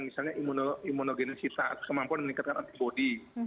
dan misalnya imunogenesis kemampuan meningkatkan antibody